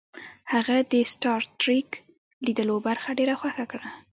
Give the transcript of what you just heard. هغه د سټار ټریک لیدلو برخه ډیره خوښه کړه